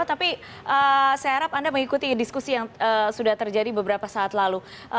tapi saya harap anda mengikuti diskusi yang sudah terjadi beberapa saat lalu